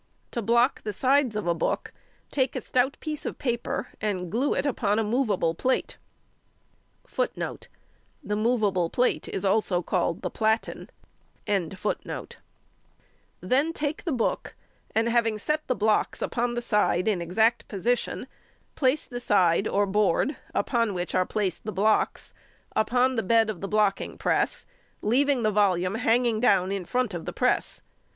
To block the sides of a book, take a stout piece of paper and glue it upon a moveable plate. Then take the book, and having set the blocks upon the side in exact position, place the side or board upon which are placed the blocks upon the bed of the blocking press, leaving the volume hanging down in front of the press.